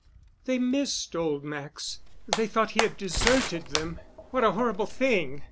They missed old Max. They thought he had deserted them. What a horrible thing!